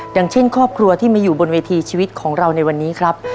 อย่างเช่นครอบครัวที่มาอยู่บนเวทีชีวิตของเราในวันนี้ครับ